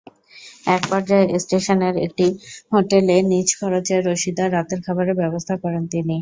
একপর্যায়ে স্টেশনের একটি হোটেলে নিজ খরচে রশিদার রাতের খাবারের ব্যবস্থা করেন তিনি।